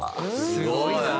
すごいな。